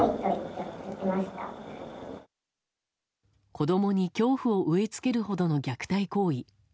子供に恐怖を植え付けるほどの虐待行為。